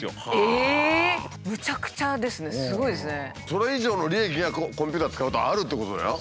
それ以上の利益がコンピューター使うとあるってことだよ。